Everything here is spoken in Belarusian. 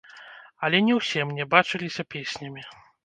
Але не ўсе мне бачыліся песнямі.